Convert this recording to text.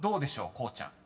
こうちゃん］